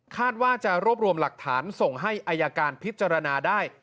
คาดว่าจะรวบรวมหลักฐานส่งให้อายการพิจารณาได้